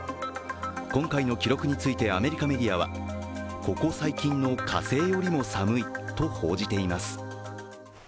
今回の記録についてアメリカメディアはここ最近の火星よりも寒いと報じています。